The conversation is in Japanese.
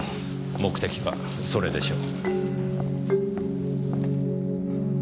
目的はそれでしょう。